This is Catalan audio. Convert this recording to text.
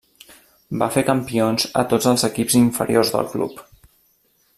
Va fer campions a tots els equips inferiors del club.